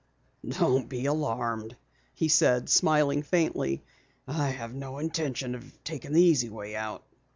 "Don't be alarmed," he said, smiling faintly. "I have no intention of taking the easy way out."